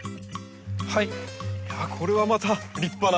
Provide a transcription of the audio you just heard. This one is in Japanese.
いやあこれはまた立派な。